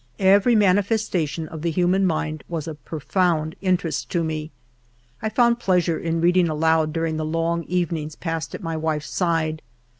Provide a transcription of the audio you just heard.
Every manifestation of the human mind was of profound interest to me. I found pleasure in reading aloud during the long evenings passed at my wife's side.